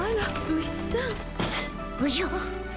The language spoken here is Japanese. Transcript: おじゃ。